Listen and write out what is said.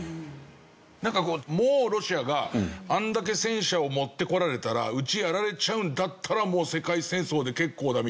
なんかこうもうロシアがあんだけ戦車を持ってこられたらうちやられちゃうんだったらもう世界戦争で結構だみたいな。